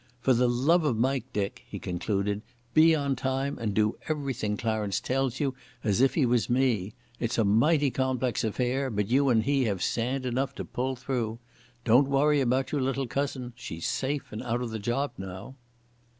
"For the love of Mike, Dick," he concluded, "be on time and do everything Clarence tells you as if he was me. It's a mighty complex affair, but you and he have sand enough to pull through. Don't worry about your little cousin. She's safe and out of the job now."